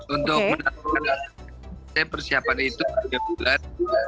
untuk mendapatkan persiapan itu tiga bulan